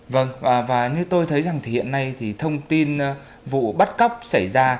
vâng và như tôi thấy rằng thì hiện nay thì thông tin vụ bắt cóc xảy ra